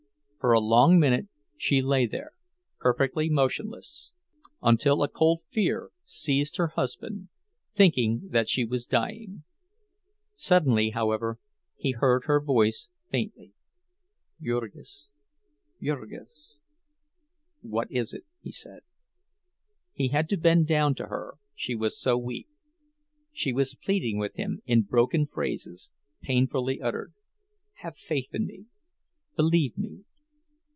For a long minute she lay there, perfectly motionless, until a cold fear seized her husband, thinking that she was dying. Suddenly, however, he heard her voice, faintly: "Jurgis! Jurgis!" "What is it?" he said. He had to bend down to her, she was so weak. She was pleading with him, in broken phrases, painfully uttered: "Have faith in me! Believe me!"